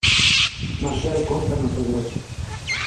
Marcial cóntanos o de hoxe.